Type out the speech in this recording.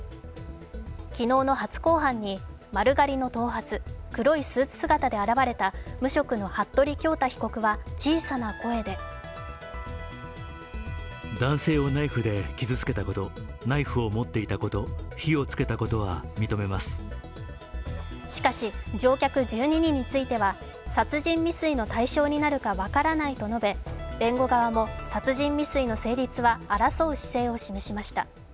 昨日の初公判に、丸刈りの頭髪、黒いスーツ姿で現れた無職の服部恭太被告は小さな声でしかし、乗客１２人については殺人未遂の対象になるか分からないと述べ弁護側も殺人未遂の成立は争う姿勢を示しました。